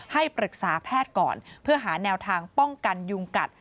ให้ปรึกษาแพทย์ก่อนเพื่อหาแนวทางป้องกันยุงกัด